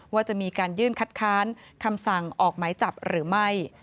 ว่าจะมีการยื่นคัดค้านคำสั่งออกหมายจับหรือไม่